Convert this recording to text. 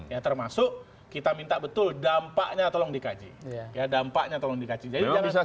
yang termasuk kita minta betul dampaknya tolong dikaji ya dampaknya tolong dikaji jadi jangan